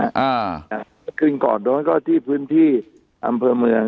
อ่าขึ้นก่อนโดนก็ที่พื้นที่อำเภอเมือง